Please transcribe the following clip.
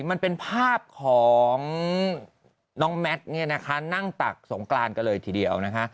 มันเป็นภาพของน้องแมทเนี่ยนะคะนั่งตักสงกรานกันเลยทีเดียวนะคะ